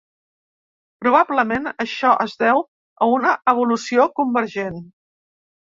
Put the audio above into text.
Probablement, això es deu a una evolució convergent.